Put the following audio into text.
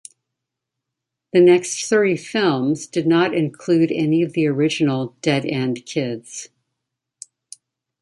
The next three films did not include any of the original Dead End Kids.